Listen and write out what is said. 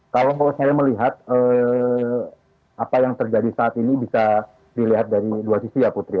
kalau saya melihat apa yang terjadi saat ini bisa dilihat dari dua sisi ya putri